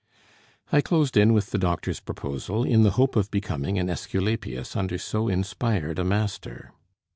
I closed in with the doctor's proposal, in the hope of becoming an Esculapius under so inspired a master.